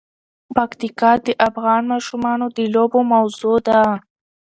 پکتیکا د افغان ماشومانو د لوبو موضوع ده.